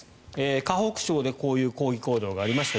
河北省でこういう抗議行動がありました。